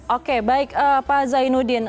oke baik pak zainuddin